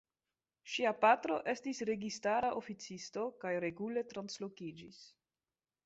Ŝia patro estis registara oficisto kaj regule translokiĝis.